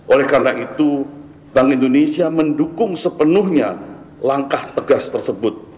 oleh karena itu bank indonesia mendukung sepenuhnya langkah tegas tersebut